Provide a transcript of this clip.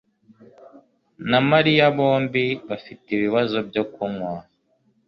na Mariya bombi bafite ibibazo byo kunywa.